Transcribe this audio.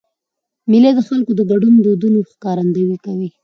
مېلې د خلکو د ګډو دودونو ښکارندویي کوي.